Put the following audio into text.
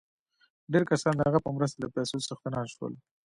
ډېر کسان د هغه په مرسته د پیسو څښتنان شول